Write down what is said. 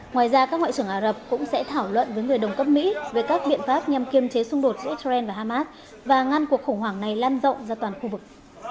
ngoài ra các ngoại trưởng ả rập cũng sẽ thảo luận với người đồng cấp mỹ về các biện pháp nhằm kiêm chế xung đột giữa israel và hamas và ngăn cuộc khủng hoảng này lan rộng ra toàn khu vực